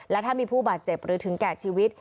และถ้ามีผู้บาดเจ็บหรือถึงแก่ชีวิต